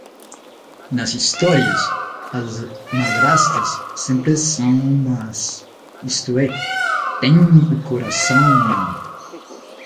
Nas histórias, as madrastas sempre são más, isto é, têm o coração mau.